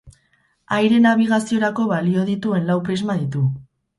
Aire nabigaziorako balio dituen lau prisma ditu.